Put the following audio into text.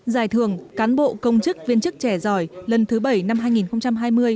giải thưởng cán bộ công chức viên chức trẻ giỏi lần thứ bảy năm hai nghìn hai mươi